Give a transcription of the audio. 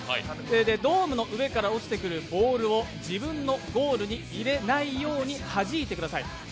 ドームの上から落ちてくるボールを自分のゴールに入れないようにはじいてください。